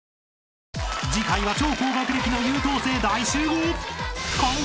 ［次回は超高学歴の優等生大集合］